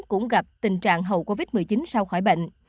cũng gặp tình trạng hậu covid một mươi chín sau khỏi bệnh